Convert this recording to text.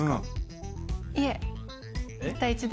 いえ。